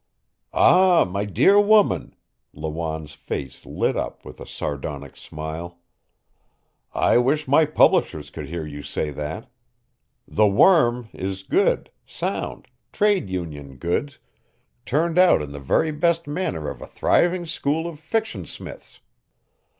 "Ah, my dear woman," Lawanne's face lit up with a sardonic smile. "I wish my publishers could hear you say that. 'The Worm' is good, sound, trade union goods, turned out in the very best manner of a thriving school of fictionsmiths.